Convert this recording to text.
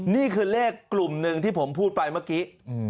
นี่คือเลขกลุ่มหนึ่งที่ผมพูดไปเมื่อกี้